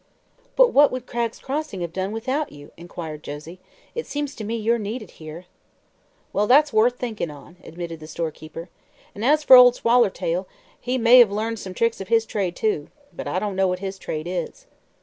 "But what could Cragg's Crossing have done without you?" inquired Josie. "It seems to me you're needed here." "Well, that's worth thinkin' on," admitted the storekeeper. "And as for Old Swallowtail, he may have learned some tricks of his trade too. But I don't know what his trade is."